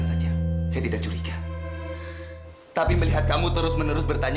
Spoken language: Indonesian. sampai jumpa di video selanjutnya